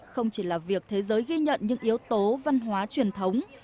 không chỉ là việc thế giới ghi nhận những yếu tố văn hóa truyền thống